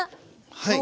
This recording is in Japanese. はい。